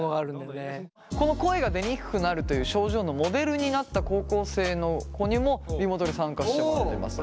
この声が出にくくなるという症状のモデルになった高校生の子にもリモートで参加してもらってます。